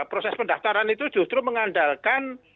proses pendaftaran itu justru mengandalkan